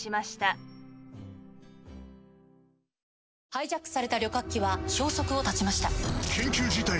ハイジャックされた旅客機は消息を絶ちました。